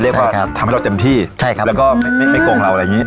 เรียกว่าใช่ครับทำให้เราเต็มที่ใช่ครับแล้วก็ไม่ไม่โกงเราอะไรอย่างงี้